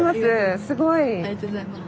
ありがとうございます。